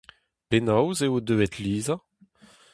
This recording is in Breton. Penaos eo deuet Liza ?